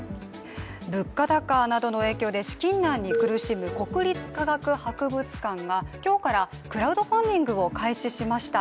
物価高などの影響で資金難に苦しむ国立科学博物館が今日からクラウドファンディングを開始しました。